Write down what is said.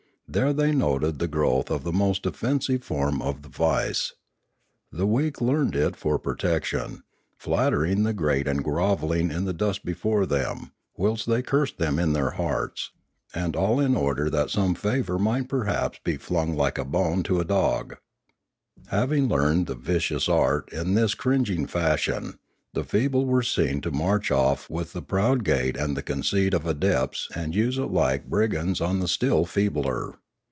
There they noted the growth of the most offensive form of the vice. The weak learned it for protection, flattering the great and grovelling in the dust before them whilst they cursed them in their hearts, and all in order that 608 Limanora some favour might perhaps be flung like a bone to a dog, Having learned the vicious art in this cringing fashion, the feeble were seen to march off with the proud gait and the conceit of adepts and use it like brigands on the still feebler.